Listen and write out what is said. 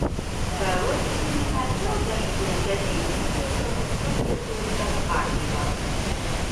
Vēlos pieminēt vēl dažas iniciatīvas, kas iekļautas prezidentūras darba kārtībā.